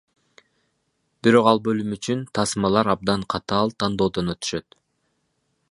Бирок ал бөлүм үчүн тасмалар абдан катаал тандоодон өтүшөт.